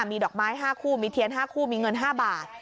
มีดอกไม้๕คู่มีเทียน๕คู่มีเงิน๕บาท